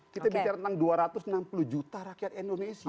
kita bicara tentang dua ratus enam puluh juta rakyat indonesia